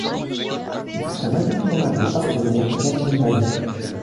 Il fut un incontournable partenaire de Jacqueline Maillan.